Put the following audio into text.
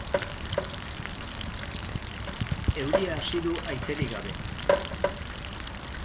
Euria hasi du haizerik gabe.